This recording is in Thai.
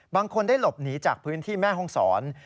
บางคนได้หลบหนีจากพื้นที่แม่ห้องศร